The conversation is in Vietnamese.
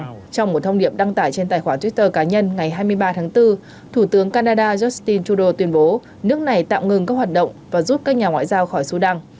trong một thông điệp đăng tải trên tài khoản twitter cá nhân ngày hai mươi ba tháng bốn thủ tướng canada justin trudeau tuyên bố nước này tạm ngừng các hoạt động và giúp các nhà ngoại giao khỏi sudan